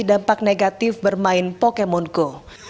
dampak negatif bermain pokemon go